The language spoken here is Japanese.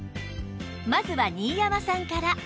まずは新山さんから